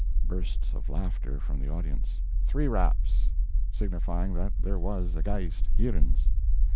(bursts of laughter from the audience.) Three raps—signifying that there was a geist hierans.